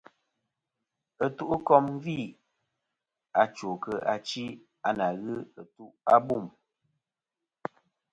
Ɨtu'kom gvi achwo kɨ achi a ǹà ghɨ ɨtu' ɨtu'abûm.